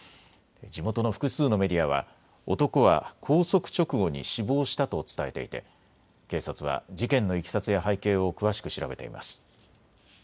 地元の複数のメディアは男は拘束直後に死亡したと伝えていて警察は事件のいきさつや背景を詳しく調べています。